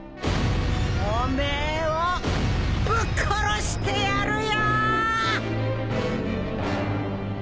おめえをぶっ殺してやるよ！